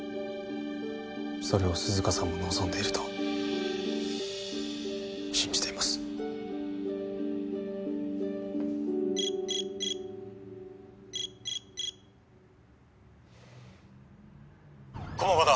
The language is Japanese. それを涼香さんも望んでいると信じています駒場だ